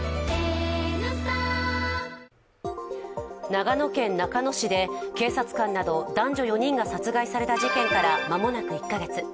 長野県中野市で警察官など男女４人が殺害された事件からまもなく１か月。